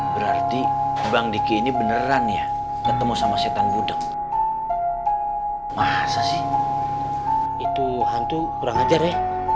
berarti bang diki ini beneran ya ketemu sama setan gudeg masa sih itu hantu kurang ajar ya